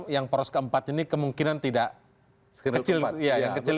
yang poros keempat ini kemungkinan tidak kecil